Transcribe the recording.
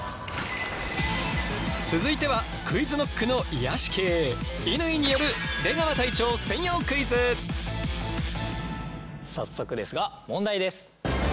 続いてはＱｕｉｚＫｎｏｃｋの癒やし系乾による早速ですが問題です。